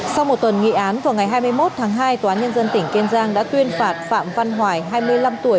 sau một tuần nghị án vào ngày hai mươi một tháng hai tòa án nhân dân tỉnh kiên giang đã tuyên phạt phạm văn hoài hai mươi năm tuổi